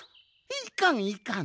いかんいかん。